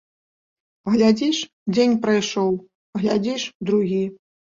Глядзіш дзень прайшоў, глядзіш другі.